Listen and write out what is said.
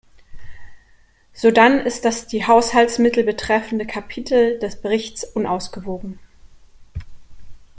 Sodann ist das die Haushaltsmittel betreffende Kapitel des Berichts unausgewogen.